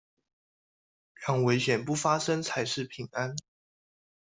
讓危險不發生才是平安